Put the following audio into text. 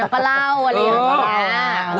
ปะเล่าอะไรแบบแน่